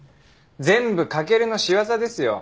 全部駆の仕業ですよ。